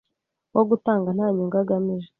wo gutanga nta nyungu agamije.